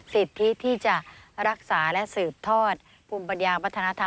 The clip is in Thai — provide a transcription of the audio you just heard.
สิทธิที่จะรักษาและสืบทอดภูมิปัญญาวัฒนธรรม